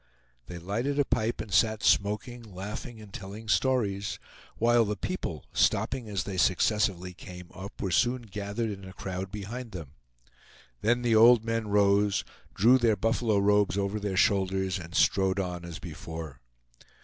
They lighted a pipe and sat smoking, laughing, and telling stories, while the people, stopping as they successively came up, were soon gathered in a crowd behind them. Then the old men rose, drew their buffalo robes over their shoulders, and strode on as before.